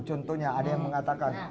contohnya ada yang mengatakan